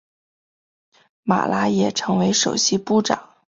马拉也成为首席部长。